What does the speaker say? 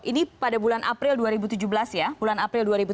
ini pada bulan april dua ribu tujuh belas ya